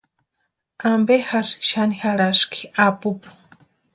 ¿Ampe jasï xani jarhaski apupu?